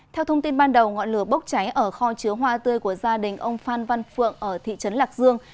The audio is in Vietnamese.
theo thông tin ban đầu ngọn lửa bốc cháy ở kho chứa hoa tươi của gia đình ông phan văn phượng ở thị trấn lạc dương